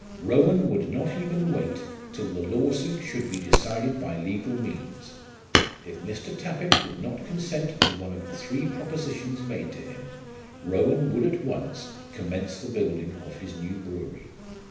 Rowan would not even wait till the lawsuit should be decided by legal means. If Mr. Tappitt would not consent to one of the three propositions made to him, Rowan would at once commence the building of his new brewery.